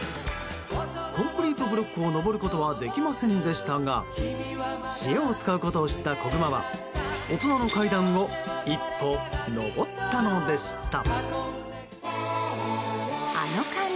コンクリートブロックを登ることはできませんでしたが知恵を使うことを知った子グマは大人の階段を一歩上ったのでした。